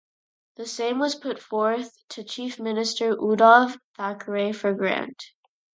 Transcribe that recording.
The same was put forth to Chief Minister Uddhav Thackeray for grant.